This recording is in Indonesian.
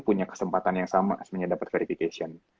punya kesempatan yang sama sebenernya dapet verification